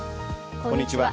こんにちは。